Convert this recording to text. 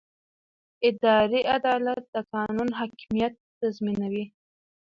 اداري عدالت د قانون حاکمیت تضمینوي.